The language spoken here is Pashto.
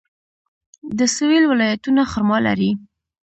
د سویل ولایتونه خرما لري.